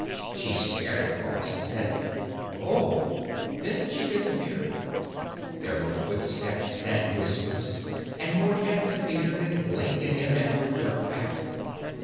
She stared at Ross and said, "Oh!" Then she disappeared. There were footsteps and whispers, and more heads appeared and blinked at him and were jerked back.